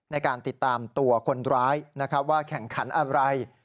ในการติดตามตัวคนร้ายนะครับว่าแข่งขันอะไร